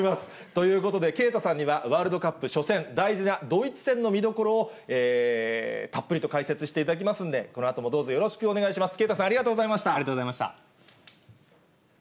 ということで、啓太さんにはワールドカップ初戦、大事なドイツ戦の見どころを、たっぷりと解説していただきますので、このあともどうぞよろしくお願いいたします。